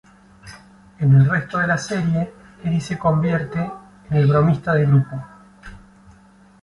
En el resto de la serie, Eddie se convierte en el bromista del grupo.